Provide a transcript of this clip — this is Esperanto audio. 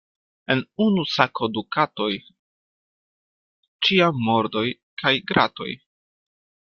En unu sako du katoj, ĉiam mordoj kaj gratoj.